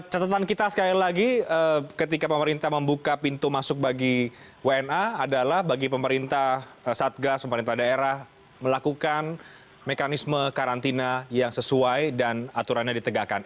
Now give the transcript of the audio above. catatan kita sekali lagi ketika pemerintah membuka pintu masuk bagi wna adalah bagi pemerintah satgas pemerintah daerah melakukan mekanisme karantina yang sesuai dan aturannya ditegakkan